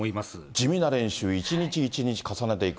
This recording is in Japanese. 地味な練習、一日一日重ねていく。